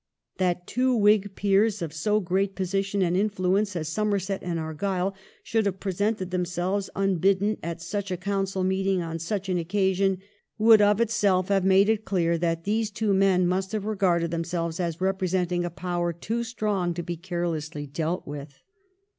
That two Whig peers of so great position and influence as Somerset and Argyle should have presented them selves unbidden at such a Council meeting on such an occasion would of itself have made it clear that these two men must have regarded themselves as representing a power too strong to be carelessly dealt with.